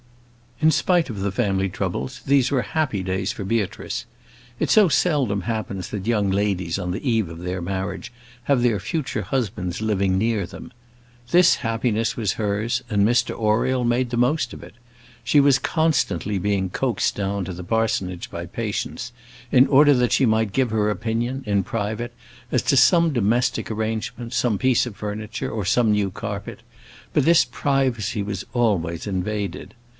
In spite of the family troubles, these were happy days for Beatrice. It so seldom happens that young ladies on the eve of their marriage have their future husbands living near them. This happiness was hers, and Mr Oriel made the most of it. She was constantly being coaxed down to the parsonage by Patience, in order that she might give her opinion, in private, as to some domestic arrangement, some piece of furniture, or some new carpet; but this privacy was always invaded.